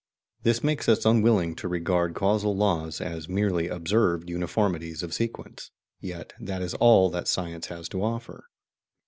This makes us unwilling to regard causal laws as MERELY observed uniformities of sequence; yet that is all that science has to offer.